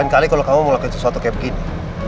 delapan kali kalau kamu mau lakukan sesuatu kayak begini